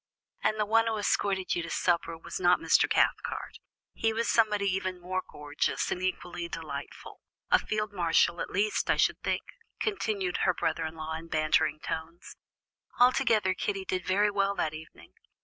"And the one who escorted you to supper was not Mr. Cathcart; he was somebody even more gorgeous and equally delightful a field marshal, at least, I should think," continued her brother in law in bantering tones; "altogether, Kitty did very well that evening.